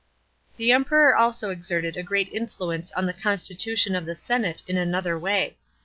31 The Emperor also exerted a great influence on the constitution of the senate in another way.